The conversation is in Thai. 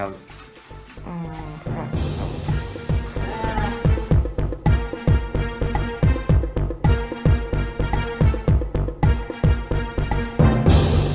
ขอบคุณครับ